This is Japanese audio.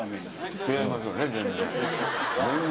違いますよね、全然。